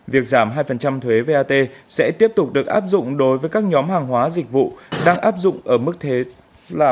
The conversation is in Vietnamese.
việc giảm hai thuế vat sẽ tiếp tục được áp dụng đối với các nhóm hàng hóa dịch vụ đang áp dụng ở mức thế là